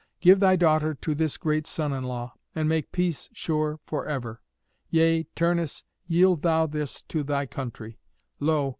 Give thy daughter to this great son in law, and make peace sure for ever. Yea, Turnus, yield thou this to thy country. Lo!